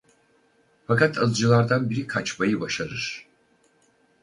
Fakat alıcılardan biri kaçmayı başarır.